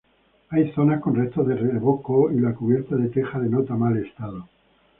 Hay zonas con restos de revoco y la cubierta de teja denota mal estado.